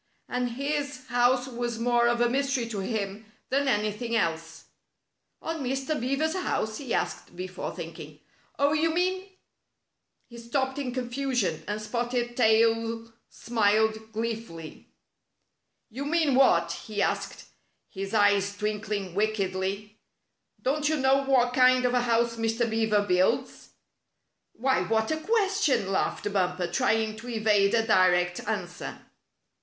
And his house was more of a mystery to him than anything else. "On Mr. Beaver's house?" he asked, before thinking. " Oh, you mean —" Spotted Tail Stows Enmity dS He stopped in confusion, and Spotted Tail smiled gleefully. ''You mean what?" he asked, his eyes twink ling wickedly. " Don't you know what kind of a house Mr. Beaver builds?" "Why, what a question?" laughed Bumper, trying to evade a direct answer.